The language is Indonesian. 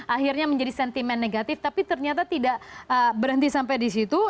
akhirnya menjadi sentimen negatif tapi ternyata tidak berhenti sampai di situ